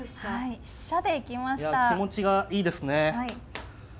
気持ちがいいですね。